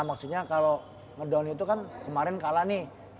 maksudnya kalau ngedown itu kan kemarin kalah nih